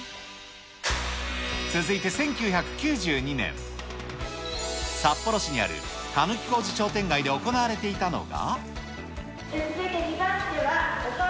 続いて１９９２年、札幌市にある狸小路商店街で行われていたのが。